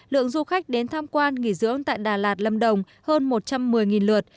lượng du khách đến tham quan nghỉ dưỡng tại đà lạt lâm đồng hơn một trăm một mươi lượt